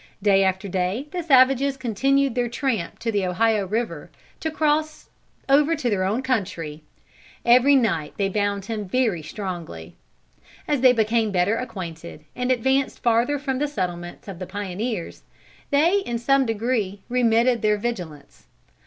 Day after day the savages continued their tramp to the Ohio river, to cross over to their own country. Every night they bound him very strongly. As they became better acquainted, and advanced farther from the settlements of the pioneers, they in some degree remitted their vigilance.